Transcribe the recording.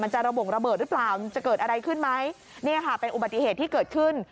หรือเปล่าจะเกิดอะไรขึ้นไหมเนี่ยค่ะเป็นอุบัติเหตุที่เกิดขึ้น